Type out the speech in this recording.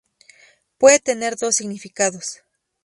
Puede tener dos significados.